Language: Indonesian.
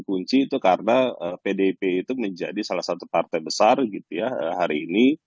kunci itu karena pdip itu menjadi salah satu partai besar gitu ya hari ini